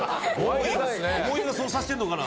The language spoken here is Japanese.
「思い出がそうさせてるのかな？」